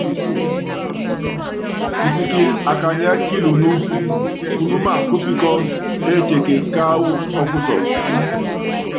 Kisikili á kanyiɛ́ kilunú, kunúmá kúpikɔ́ndɔ éteke káwu ɔ́kusɔ́tɔ.